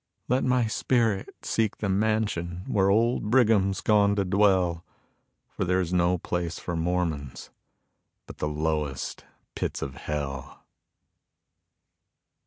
Let my spirit seek the mansion where old Brigham's gone to dwell, For there's no place for Mormons but the lowest pits of hell.